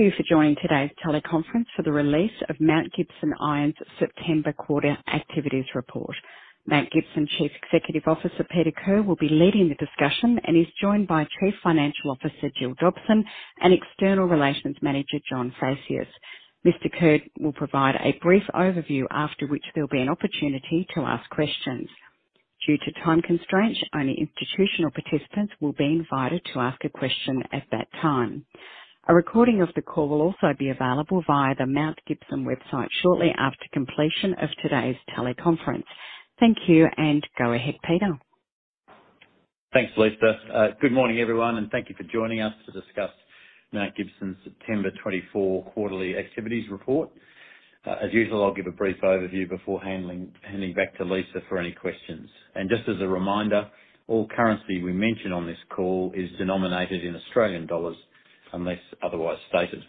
Thank you for joining today's teleconference for the release of Mount Gibson Iron's September quarter activities report. Mount Gibson Iron’s Chief Executive Officer, Peter Kerr, will be leading the discussion and is joined by Chief Financial Officer, Jill Dobson, and External Relations Manager, John Facius. Mr. Kerr will provide a brief overview, after which there'll be an opportunity to ask questions. Due to time constraints, only institutional participants will be invited to ask a question at that time. A recording of the call will also be available via the Mount Gibson Iron website shortly after completion of today's teleconference. Thank you, and go ahead, Peter. Thanks, Lisa. Good morning, everyone, and thank you for joining us to discuss Mount Gibson's September twenty-four quarterly activities report. As usual, I'll give a brief overview before handing back to Lisa for any questions. Just as a reminder, all currency we mention on this call is denominated in Australian dollars unless otherwise stated.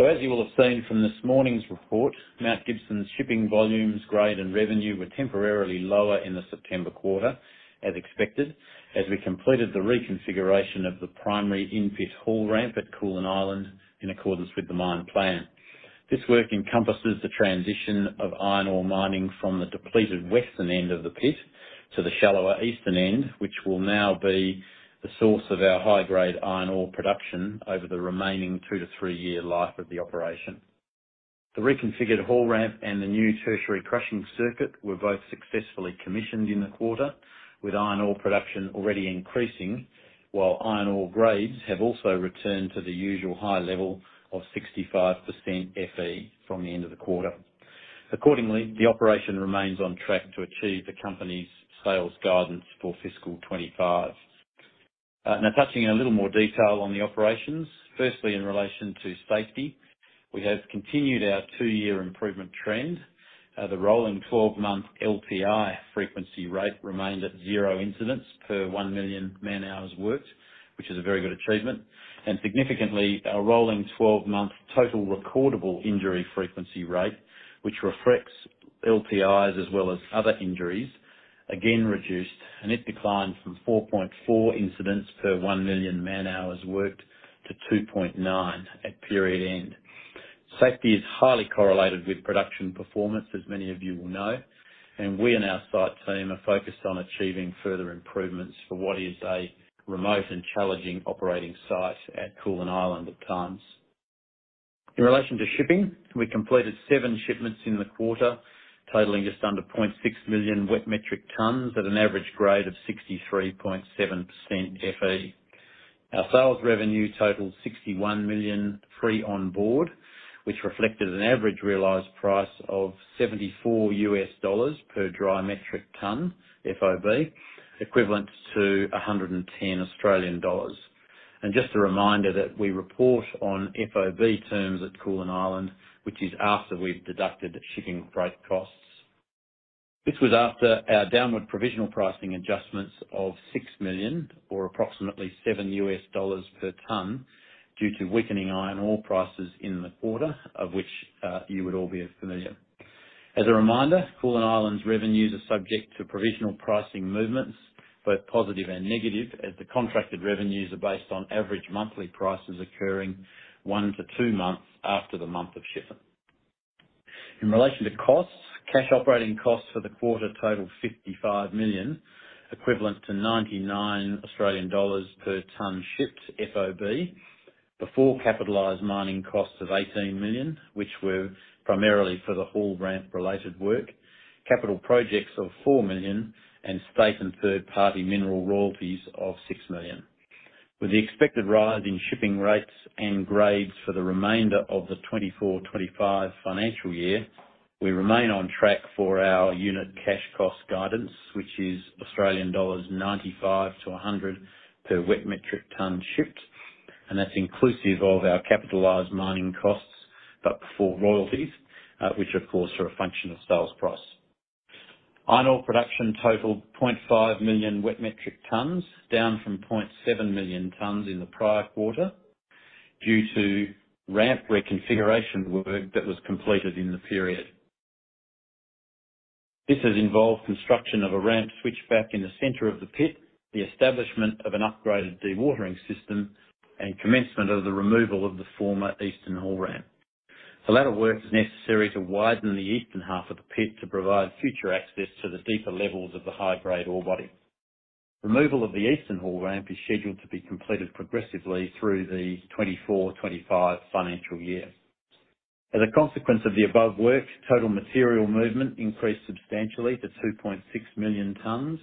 As you will have seen from this morning's report, Mount Gibson's shipping volumes, grade, and revenue were temporarily lower in the September quarter, as expected, as we completed the reconfiguration of the primary in-pit haul ramp at Koolan Island in accordance with the mine plan. This work encompasses the transition of iron ore mining from the depleted western end of the pit to the shallower eastern end, which will now be the source of our high-grade iron ore production over the remaining two to three-year life of the operation. The reconfigured haul ramp and the new tertiary crushing circuit were both successfully commissioned in the quarter, with iron ore production already increasing, while iron ore grades have also returned to the usual high level of 65% Fe from the end of the quarter. Accordingly, the operation remains on track to achieve the company's sales guidance for fiscal twenty-five. Now touching in a little more detail on the operations. Firstly, in relation to safety, we have continued our two-year improvement trend. The rolling twelve-month LTI frequency rate remained at zero incidents per 1 million man-hours worked, which is a very good achievement. Significantly, our rolling twelve-month total recordable injury frequency rate, which reflects LTIs as well as other injuries, again reduced, and it declined from 4.4 incidents per 1 million man-hours worked to 2.9 at period end. Safety is highly correlated with production performance, as many of you will know, and we and our site team are focused on achieving further improvements for what is a remote and challenging operating site at Koolan Island at times. In relation to shipping, we completed seven shipments in the quarter, totaling just under 0.6 million wet metric tons at an average grade of 63.7% Fe. Our sales revenue totaled 61 million free on board, which reflected an average realized price of $74 per dry metric ton, FOB, equivalent to 110 Australian dollars, and just a reminder that we report on FOB terms at Koolan Island, which is after we've deducted shipping freight costs. This was after our downward provisional pricing adjustments of 6 million, or approximately $7 per ton, due to weakening iron ore prices in the quarter, of which you would all be familiar. As a reminder, Koolan Island's revenues are subject to provisional pricing movements, both positive and negative, as the contracted revenues are based on average monthly prices occurring 1 to 2 months after the month of shipment. In relation to costs, cash operating costs for the quarter totaled 55 million, equivalent to 99 Australian dollars per ton shipped, FOB. The full capitalized mining costs of AUD 18 million, which were primarily for the haul ramp-related work, capital projects of AUD 4 million, and state and third-party mineral royalties of AUD 6 million. With the expected rise in shipping rates and grades for the remainder of the 2024/2025 financial year, we remain on track for our unit cash cost guidance, which is 95-100 Australian dollars per wet metric ton shipped, and that's inclusive of our capitalized mining costs, but before royalties, which of course, are a function of sales price. Iron ore production totaled 0.5 million wet metric tons, down from 0.7 million tons in the prior quarter, due to ramp reconfiguration work that was completed in the period. This has involved construction of a ramp switchback in the center of the pit, the establishment of an upgraded dewatering system, and commencement of the removal of the former eastern haul ramp. A lot of work is necessary to widen the eastern half of the pit to provide future access to the deeper levels of the high-grade ore body. Removal of the eastern haul ramp is scheduled to be completed progressively through the 2024/2025 financial year. As a consequence of the above work, total material movement increased substantially to two point six million tons,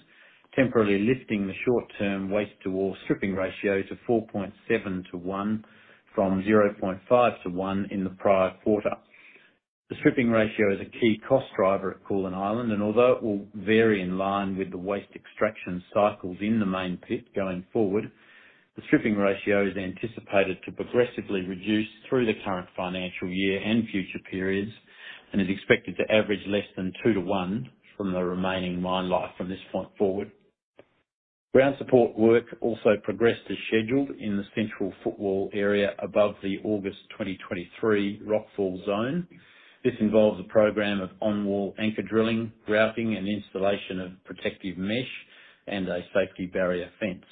temporarily lifting the short-term waste-to-ore stripping ratio to four point seven to one, from zero point five to one in the prior quarter. The stripping ratio is a key cost driver at Koolan Island, and although it will vary in line with the waste extraction cycles in the main pit going forward, the stripping ratio is anticipated to progressively reduce through the current financial year and future periods, and is expected to average less than two to one from the remaining mine life from this point forward. Ground support work also progressed as scheduled in the central footwall area above the August 2023 rockfall zone. This involves a program of on-wall anchor drilling, grouting, and installation of protective mesh, and a safety barrier fence,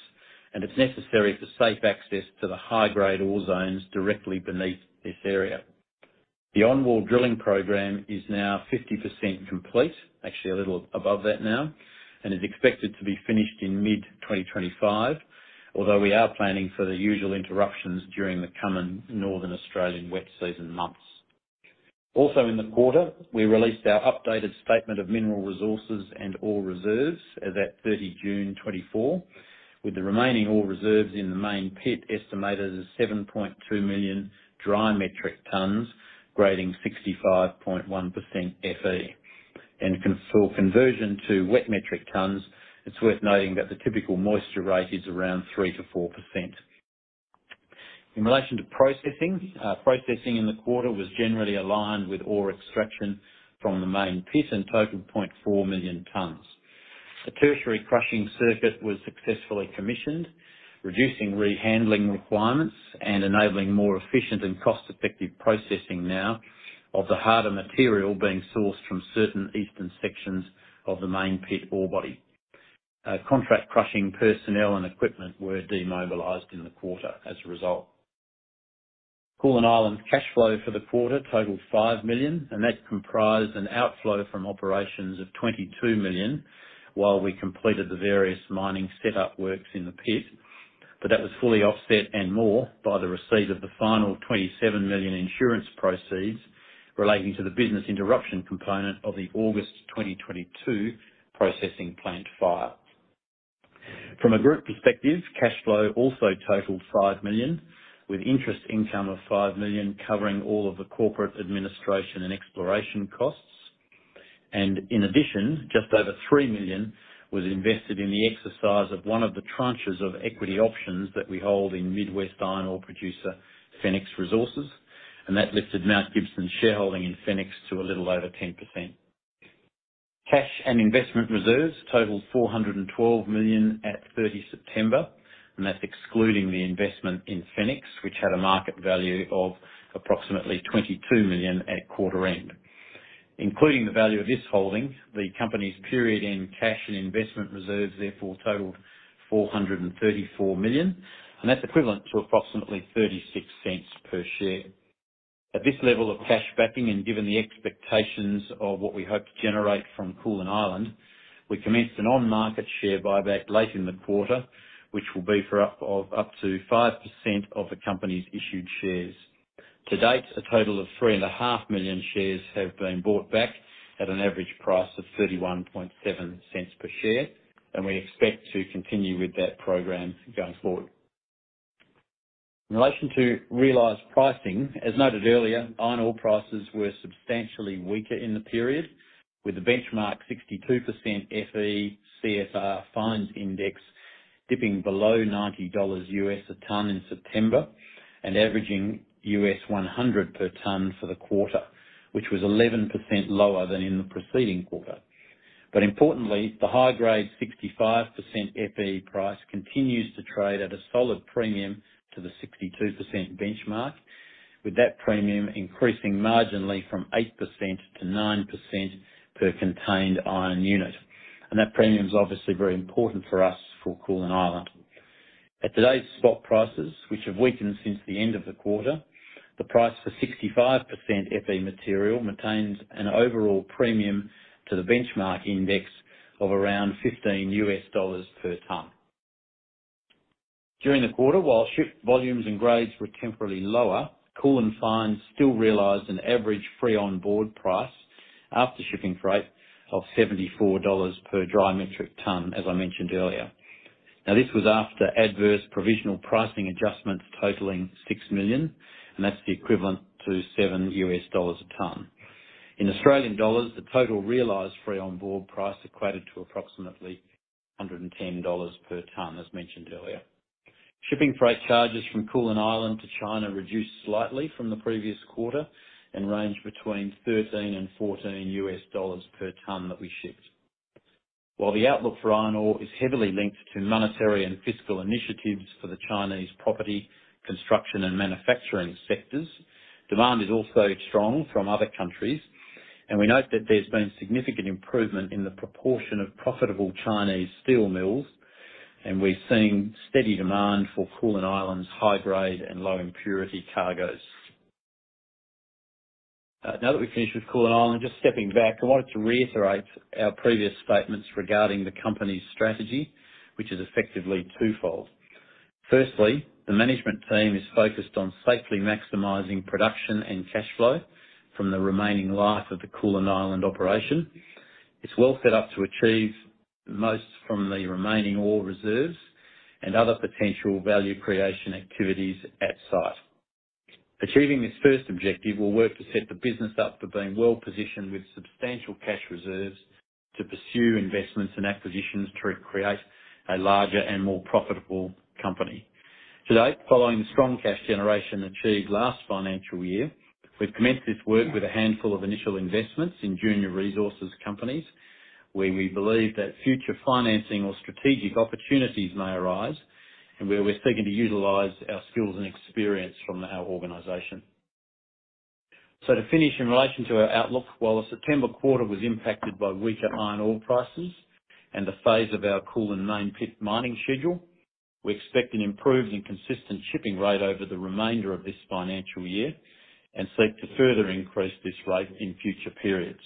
and it's necessary for safe access to the high-grade ore zones directly beneath this area. The on-wall drilling program is now 50% complete, actually a little above that now, and is expected to be finished in mid-2025, although we are planning for the usual interruptions during the coming northern Australian wet season months. Also, in the quarter, we released our updated statement of mineral resources and ore reserves as at 30 June 2024, with the remaining ore reserves in the main pit estimated as 7.2 million dry metric tons, grading 65.1% Fe. For conversion to wet metric tons, it's worth noting that the typical moisture rate is around 3-4%. In relation to processing, processing in the quarter was generally aligned with ore extraction from the main pit and totaled 0.4 million tons. The tertiary crushing circuit was successfully commissioned, reducing rehandling requirements and enabling more efficient and cost-effective processing now of the harder material being sourced from certain eastern sections of the main pit ore body. Contract crushing personnel and equipment were demobilized in the quarter as a result. Koolan Island's cash flow for the quarter totaled 5 million, and that comprised an outflow from operations of 22 million, while we completed the various mining setup works in the pit. But that was fully offset and more by the receipt of the final 27 million insurance proceeds relating to the business interruption component of the August 2022 processing plant fire. From a group perspective, cash flow also totaled 5 million, with interest income of 5 million covering all of the corporate administration and exploration costs. and in addition, just over 3 million was invested in the exercise of one of the tranches of equity options that we hold in Mid West iron ore producer, Fenix Resources, and that lifted Mount Gibson's shareholding in Fenix to a little over 10%. Cash and investment reserves totaled 412 million at 30 September, and that's excluding the investment in Fenix, which had a market value of approximately 22 million at quarter end. Including the value of this holding, the company's period-end cash and investment reserves therefore totaled 434 million, and that's equivalent to approximately 0.36 per share. At this level of cash backing, and given the expectations of what we hope to generate from Koolan Island, we commenced an on-market share buyback late in the quarter, which will be for up to 5% of the company's issued shares. To date, a total of 3.5 million shares have been bought back at an average price of 0.317 per share, and we expect to continue with that program going forward. In relation to realized pricing, as noted earlier, iron ore prices were substantially weaker in the period, with the benchmark 62% Fe CFR Fines Index dipping below $90 a ton in September, and averaging $100 per ton for the quarter, which was 11% lower than in the preceding quarter, but importantly, the high-grade 65% Fe price continues to trade at a solid premium to the 62% benchmark, with that premium increasing marginally from 8% to 9% per contained iron unit, and that premium is obviously very important for us for Koolan Island. At today's spot prices, which have weakened since the end of the quarter, the price for 65% Fe material maintains an overall premium to the benchmark index of around $15 per ton. During the quarter, while shipped volumes and grades were temporarily lower, Koolan Fines still realized an average free on board price after shipping freight of $74 per dry metric ton, as I mentioned earlier. Now, this was after adverse provisional pricing adjustments totaling $6 million, and that's the equivalent to $7 a ton. In Australian dollars, the total realized free on board price equated to approximately 110 dollars per ton, as mentioned earlier. Shipping freight charges from Koolan Island to China reduced slightly from the previous quarter and ranged between $13 and $14 per ton that we shipped. While the outlook for iron ore is heavily linked to monetary and fiscal initiatives for the Chinese property, construction, and manufacturing sectors, demand is also strong from other countries, and we note that there's been significant improvement in the proportion of profitable Chinese steel mills. And we're seeing steady demand for Koolan Island's high-grade and low-impurity cargos. Now that we've finished with Koolan Island, just stepping back, I wanted to reiterate our previous statements regarding the company's strategy, which is effectively twofold. Firstly, the management team is focused on safely maximizing production and cash flow from the remaining life of the Koolan Island operation. It's well set up to achieve most from the remaining ore reserves and other potential value creation activities at site. Achieving this first objective will work to set the business up for being well-positioned with substantial cash reserves to pursue investments and acquisitions to create a larger and more profitable company. Today, following the strong cash generation achieved last financial year, we've commenced this work with a handful of initial investments in junior resources companies, where we believe that future financing or strategic opportunities may arise and where we're seeking to utilize our skills and experience from our organization.... So to finish, in relation to our outlook, while the September quarter was impacted by weaker iron ore prices and the phase of our Koolan main pit mining schedule, we expect an improved and consistent shipping rate over the remainder of this financial year and seek to further increase this rate in future periods.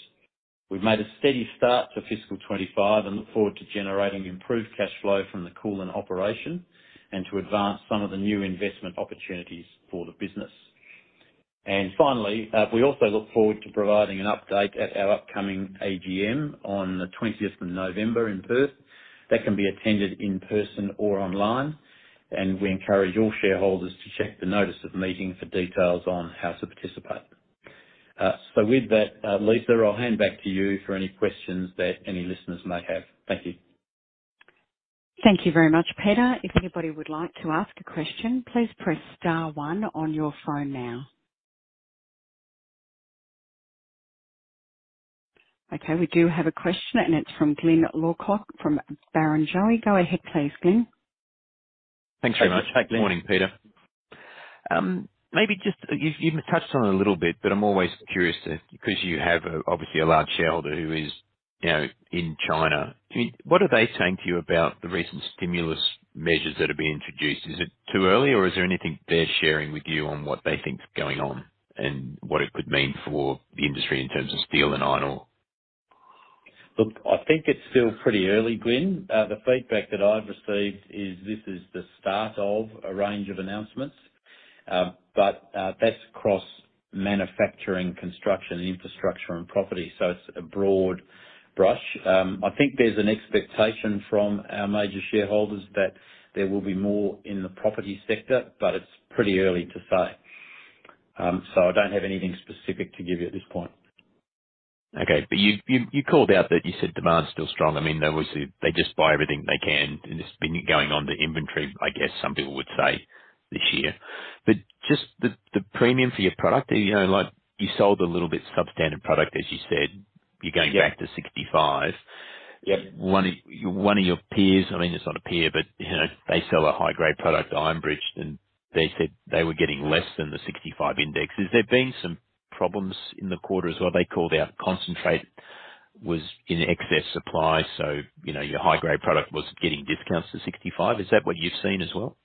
We've made a steady start to fiscal twenty-five and look forward to generating improved cash flow from the Koolan operation and to advance some of the new investment opportunities for the business. Finally, we also look forward to providing an update at our upcoming AGM on the 20th November in Perth. That can be attended in person or online, and we encourage all shareholders to check the notice of the meeting for details on how to participate. So with that, Lisa, I'll hand back to you for any questions that any listeners may have. Thank you. Thank you very much, Peter. If anybody would like to ask a question, please press star one on your phone now. Okay, we do have a question, and it's from Glyn Lawcock from Barrenjoey. Go ahead, please, Glyn. Thanks very much. Hey, Glyn. Good morning, Peter. Maybe just you've touched on it a little bit, but I'm always curious that because you have obviously a large shareholder who is, you know, in China, I mean, what are they saying to you about the recent stimulus measures that have been introduced? Is it too early, or is there anything they're sharing with you on what they think is going on and what it could mean for the industry in terms of steel and iron ore? Look, I think it's still pretty early, Glyn. The feedback that I've received is this is the start of a range of announcements, but that's across manufacturing, construction, infrastructure, and property, so it's a broad brush. I think there's an expectation from our major shareholders that there will be more in the property sector, but it's pretty early to say. So I don't have anything specific to give you at this point. Okay, but you called out that you said demand's still strong. I mean, obviously, they just buy everything they can, and it's been going on to inventory, I guess, some people would say, this year, but just the premium for your product, you know, like, you sold a little bit substandard product, as you said, you're going back to sixty-five. Yep. One of your peers, I mean, it's not a peer, but, you know, they sell a high-grade product, Iron Bridge, and they said they were getting less than the sixty-five index. Has there been some problems in the quarter as well? They called out concentrate was in excess supply, so, you know, your high-grade product was getting discounts to sixty-five. Is that what you've seen as well?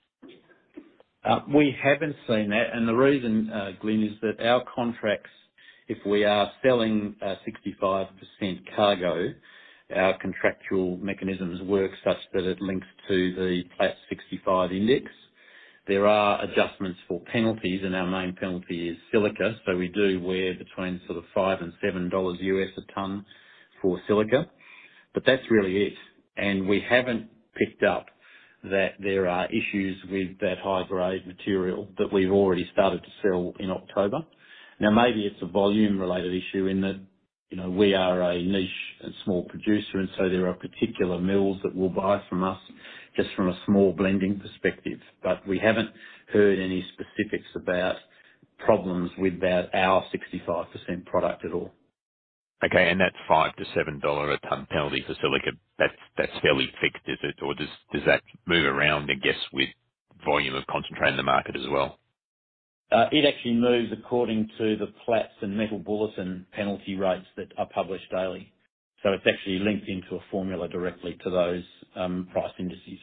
We haven't seen that, and the reason, Glyn, is that our contracts, if we are selling a 65% cargo, our contractual mechanisms work such that it links to the Platts 65 index. There are adjustments for penalties, and our main penalty is silica, so we do pay between sort of $5 and $7 a ton for silica, but that's really it, and we haven't picked up that there are issues with that high-grade material that we've already started to sell in October. Now, maybe it's a volume-related issue in that, you know, we are a niche and small producer, and so there are particular mills that will buy from us just from a small blending perspective, but we haven't heard any specifics about problems with our 65% product at all. Okay, and that $5-$7 a ton penalty for silica, that's fairly fixed, is it? Or does that move around, I guess, with volume of concentrate in the market as well? It actually moves according to the Platts and Metal Bulletin penalty rates that are published daily, so it's actually linked into a formula directly to those, price indices.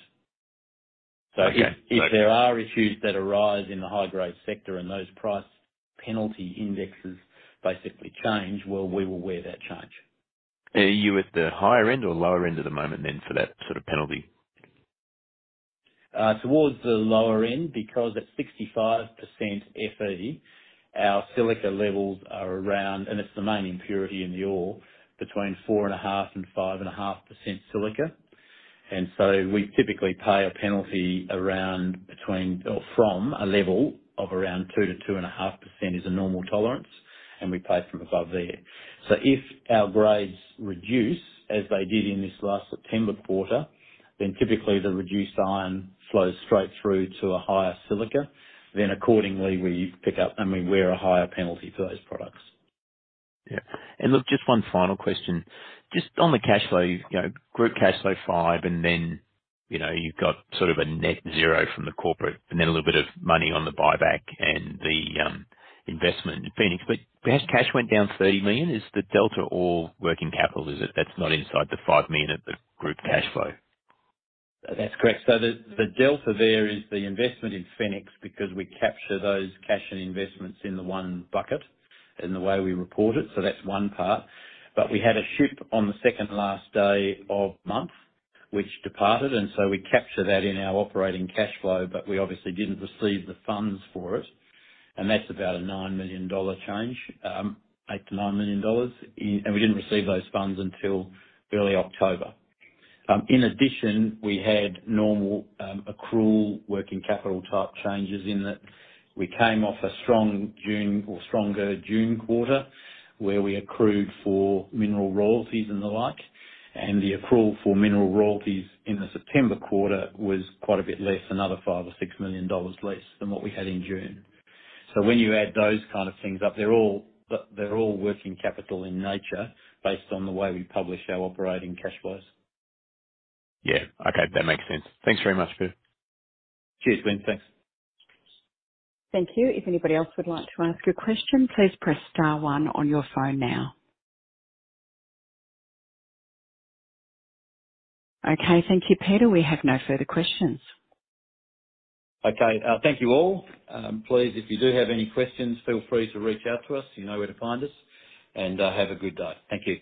Okay. If there are issues that arise in the high-grade sector and those price penalty indexes basically change, well, we will wear that change. Are you at the higher end or lower end at the moment then, for that sort of penalty? Towards the lower end, because at 65% Fe, our silica levels are around, and it's the main impurity in the ore, between 4.5 and 5.5% silica. And so we typically pay a penalty or from a level of around 2 to 2.5% is a normal tolerance, and we pay from above there. So if our grades reduce, as they did in this last September quarter, then typically the reduced iron flows straight through to a higher silica. Then accordingly, we pick up, and we wear a higher penalty for those products. Yeah. And look, just one final question. Just on the cash flow, you know, group cash flow 5 million, and then, you know, you've got sort of a net zero from the corporate and then a little bit of money on the buyback and the investment in Fenix, but cash, cash went down 30 million. Is the delta all working capital, is it? That's not inside the 5 million of the group cash flow. That's correct. So the, the delta there is the investment in Fenix, because we capture those cash and investments in the one bucket in the way we report it, so that's one part. But we had a ship on the second last day of month, which departed, and so we captured that in our operating cash flow, but we obviously didn't receive the funds for it, and that's about a $9 million change, $8 to $9 million. And we didn't receive those funds until early October. In addition, we had normal accrual working capital-type changes in that we came off a strong June or stronger June quarter, where we accrued for mineral royalties and the like, and the accrual for mineral royalties in the September quarter was quite a bit less, another $5 or $6 million dollars less than what we had in June. So when you add those kind of things up, they're all working capital in nature based on the way we publish our operating cash flows. Yeah. Okay, that makes sense. Thanks very much, Peter. Cheers, Glyn. Thanks. Thank you. If anybody else would like to ask a question, please press star one on your phone now. Okay, thank you, Peter. We have no further questions. Okay. Thank you all. Please, if you do have any questions, feel free to reach out to us. You know where to find us, and, have a good day. Thank you.